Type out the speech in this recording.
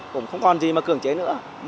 cũng không còn gì mà cưỡng chế nữa